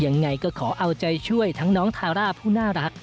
ยังไงก็ขอเอาใจช่วยทั้งน้องทาร่าผู้น่ารัก